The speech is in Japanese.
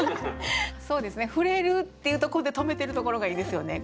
「触れる」っていうところで止めてるところがいいですよね。